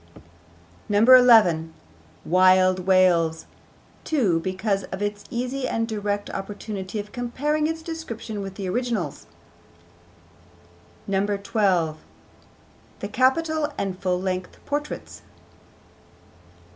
11. 'Wild Wales,' too, because of its easy and direct opportunity of comparing its description with the originals. 12. The capital and full length portraits.